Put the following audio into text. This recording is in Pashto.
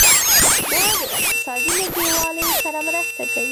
دا د اقتصادي نږدیوالي سره مرسته کوي.